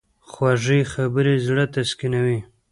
خوږې خبرې زړه تسکینوي.